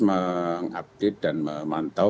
mengaktif dan memantau